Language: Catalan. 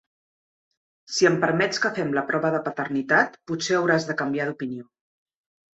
Si em permets que fem la prova de paternitat potser hauràs de canviar d'opinió.